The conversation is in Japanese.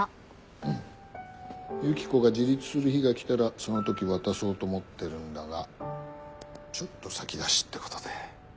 ユキコが自立する日が来たらその時渡そうと思ってるんだがちょっと先出しってことで。